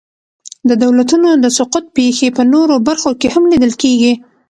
د دولتونو د سقوط پېښې په نورو برخو کې هم لیدل کېږي.